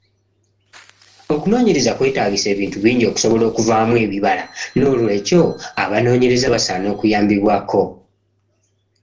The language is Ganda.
Okunoonyereza kwetaagisa ebintu bingi okusobola okuvaamu ebibabala n'olwekyo abanoonyereza basaana okuyambibwako.